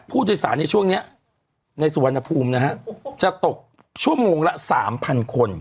ผู้โดยสารในช่วงนี้ในสุวรรณภูมินะฮะจะตกชั่วโมงละ๓๐๐คน